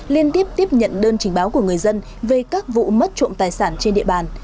liên tiếp tiếp nhận đơn trình báo của người dân về các vụ mất trộm tài sản trên địa bàn